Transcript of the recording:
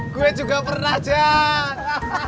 gue juga pernah jack